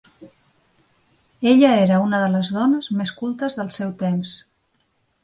Ella era una de les dones més cultes del seu temps.